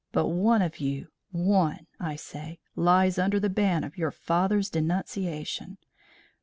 But one of you, one, I say, lies under the ban of your father's denunciation.